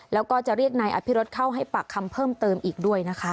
แล้วก็จะเรียกนายอภิรสเข้าให้ปากคำเพิ่มเติมอีกด้วยนะคะ